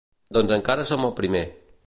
Doncs encara som al primer.